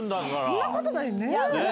そんなことないよ、ねえ。